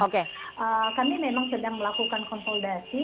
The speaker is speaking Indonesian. kami memang sedang melakukan konsolidasi